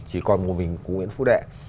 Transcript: chỉ còn một mình của nguyễn phú đệ